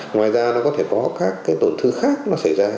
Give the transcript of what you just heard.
ngoài ra nó có thể có các cái tổn thương khác nó xảy ra